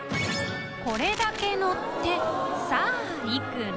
これだけのってさぁいくら？